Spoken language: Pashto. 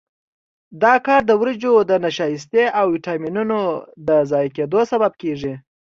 دا کار د وریجو د نشایستې او ویټامینونو د ضایع کېدو سبب کېږي.